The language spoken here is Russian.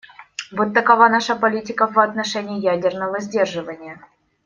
Вот такова наша политика в отношении ядерного сдерживания.